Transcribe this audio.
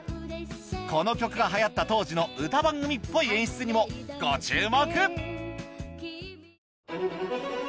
この曲が流行った当時の歌番組っぽい演出にもご注目！